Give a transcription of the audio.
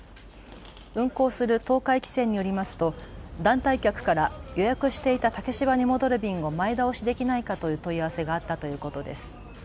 運航する東海汽船によりますと団体客から予約していた竹芝に戻る便を前倒しできないかという問い合わせがあったということです。